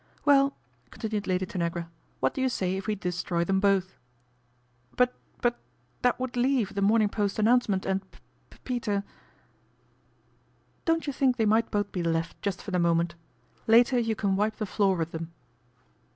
" Well," continued Lady Tanagra, " what do you say if we destroy them both ?"" But but that would leave The Morning Post announcement and P Peter "" Don't you think they might both be left, just for the moment ? Later you can wipe the floor with them."